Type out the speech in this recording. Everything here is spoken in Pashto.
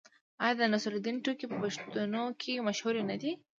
آیا د نصرالدین ټوکې په پښتنو کې مشهورې نه دي؟